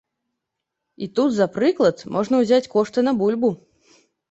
І тут за прыклад можна ўзяць кошты на бульбу.